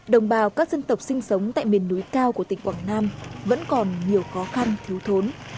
đồng bào các dân tộc sinh sống tại miền núi cao của tỉnh quảng nam vẫn còn nhiều khó khăn thiếu thốn